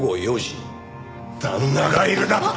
旦那がいるだと！？